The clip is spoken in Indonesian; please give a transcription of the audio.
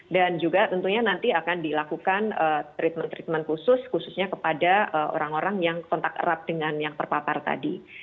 dan juga tentunya nanti akan dilakukan treatment treatment khusus khususnya kepada orang orang yang kontak erat dengan yang terpapar tadi